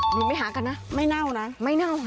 หนูไปหากันนะไม่เน่านะไม่เน่าค่ะ